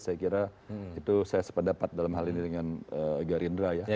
saya kira itu saya sependapat dalam hal ini dengan gerindra ya